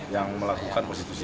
yang melakukan prostitusi